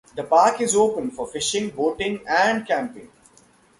The park is open for fishing, boating, and camping.